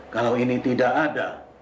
kalau ini tidak ada